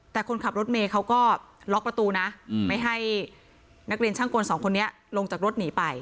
แต่คนขับรถเมย์เขาก็ล็อกประตูนะไม่ให้นักเรียนช่างกลสองคนนี้ลงจากรถหนีไป